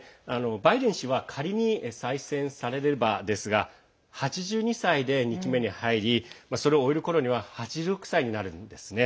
バイデン氏は仮に再選されればですが８２歳で２期目に入りそれを終えるころには８６歳になるんですね。